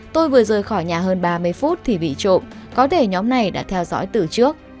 tôi vừa rời khỏi nhà hơn ba mươi phút thì bị trộm có thể nhóm này đã theo dõi từ trước